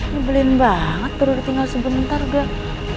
ngebelin banget baru tinggal sebentar udah